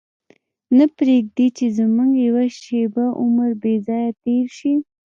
نه پرېږدي چې زموږ یوه شېبه عمر بې ځایه تېر شي.